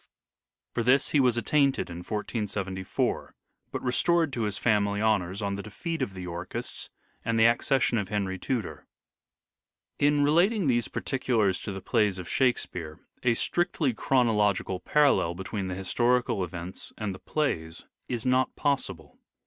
For this he was at tainted in 1474, but restored to his family honours on the defeat of the Yorkists and the accession of Henry Tudor. In relating these particulars to the plays of Shake speare a strictly chronological parallel between the historical events and the plays is not possible.